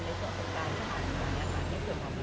ในส่วนของพี่ปูเองเนี่ยส่วนตัวคิดยังไง